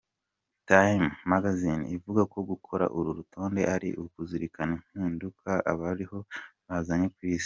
Time Magazine ivuga ko gukora uru rutonde ari ukuzirikana impinduka abaruriho bazanye ku Isi.